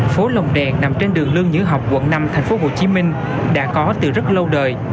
phố lồng đèn nằm trên đường lương giữ học quận năm tp hcm đã có từ rất lâu đời